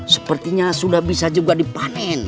sepertinya sudah bisa juga dipanen